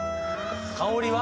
香りは？